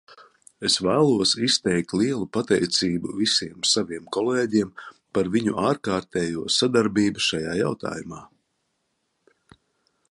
Es vēlos izteikt lielu pateicību visiem saviem kolēģiem par viņu ārkārtējo sadarbību šajā jautājumā.